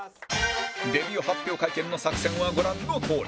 デビュー発表会見の作戦はご覧のとおり